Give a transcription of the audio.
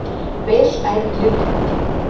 Welch ein Glück!